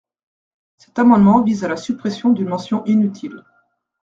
Cet amendement vise à la suppression d’une mention inutile.